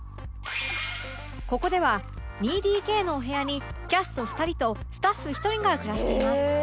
ここでは ２ＤＫ のお部屋にキャスト２人とスタッフ１人が暮らしています